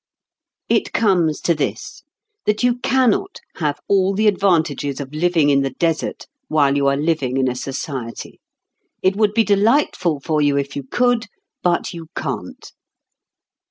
It comes to this that you cannot have all the advantages of living in the desert while you are living in a society. It would be delightful for you if you could, but you can't.